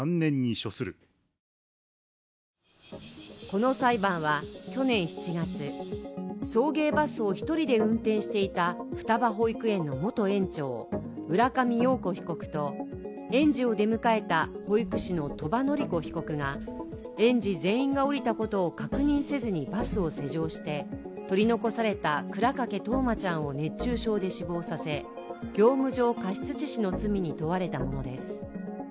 この裁判は、去年７月、送迎バスを１人で運転していた双葉保育園の元園長浦上陽子被告と園児を出迎えた保育士の鳥羽詞子被告が園児全員が降りたことを確認せずにバスを施錠して取り残された倉掛冬生ちゃんを熱中症で死亡させ業務上過失致死の罪に問われたものです。